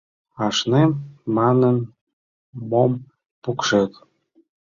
Ашнем манын, мом пукшет?